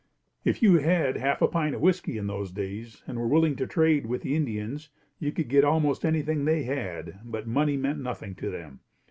If you had half a pint of whiskey in those days, and were willing to trade with the Indians, you could get almost anything they had, but money meant nothing to them.